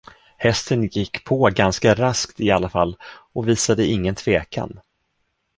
Hästen gick på ganska raskt i alla fall och visade ingen tvekan.